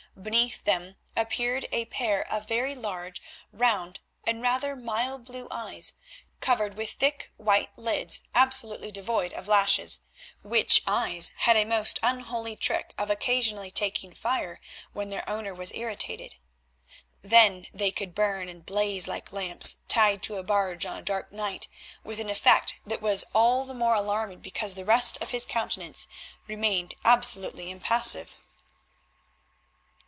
Beneath them appeared a pair of very large, round, and rather mild blue eyes, covered with thick white lids absolutely devoid of lashes, which eyes had a most unholy trick of occasionally taking fire when their owner was irritated. Then they could burn and blaze like lamps tied to a barge on a dark night, with an effect that was all the more alarming because the rest of his countenance remained absolutely impassive.